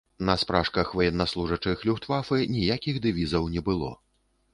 На спражках ваеннаслужачых люфтвафэ ніякіх дэвізаў не было.